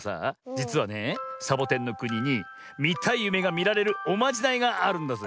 じつはねえサボテンのくににみたいゆめがみられるおまじないがあるんだぜえ。